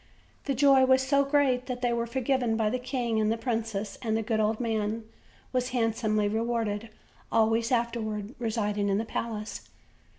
The joy was so great that they were forgiven by the king and the princess, and the good old man was handsomely rewarded, always afterward residing in the palace.